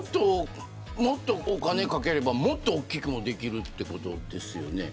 もっと、お金をかければもっと大きくもできるっていうことですよね。